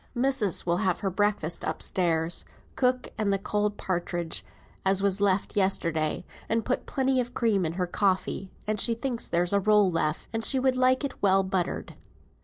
"Missis will have her breakfast up stairs, cook, and the cold partridge as was left yesterday, and put plenty of cream in her coffee, and she thinks there's a roll left, and she would like it well buttered."